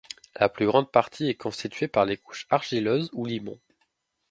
La plus grande partie est constituée par les couches argileuses ou limon.